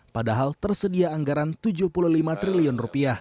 padahal tersedia anggaran rp tujuh puluh lima triliun